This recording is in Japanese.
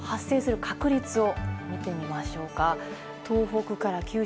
では雷の発生する確率を見てみましょうか。